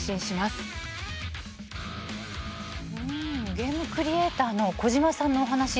ゲームクリエーターの小島さんのお話